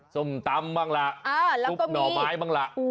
ส้มตำบ้างล่ะซุปหน่อไม้บ้างล่ะ